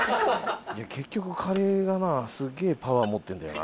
結局カレーがなすげえパワー持ってるんだよな。